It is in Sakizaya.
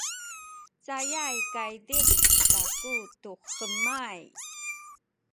cayay kaydih kaku tu hemay